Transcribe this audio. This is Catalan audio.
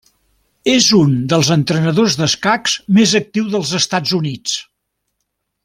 És un dels entrenadors d'escacs més actius als Estats Units.